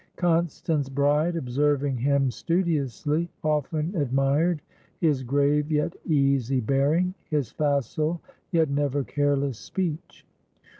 Constance Bride, observing him studiously, often admired his grave, yet easy, bearing, his facile, yet never careless speech.